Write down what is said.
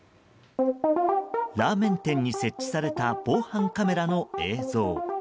ラーメン店に設置された防犯カメラの映像。